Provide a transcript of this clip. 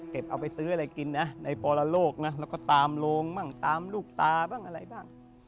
เอาไปซื้ออะไรกินนะในปรโลกนะแล้วก็ตามโรงบ้างตามลูกตาบ้างอะไรบ้าง